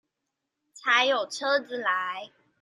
才有車子來